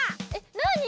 なに？